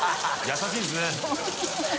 優しいですね。